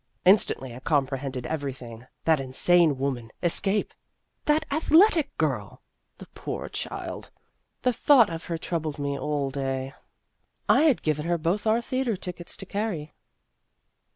Instantly I comprehended everything that insane woman escape that athletic girl ! The poor child ! The thought of her troubled me all day. I had given her both our theatre tickets to carry.